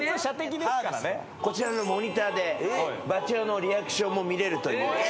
こちらのモニターでバチェ男のリアクションも見れるという。